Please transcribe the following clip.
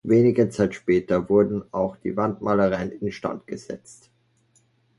Wenige Zeit später wurden auch die Wandmalereien instand gesetzt.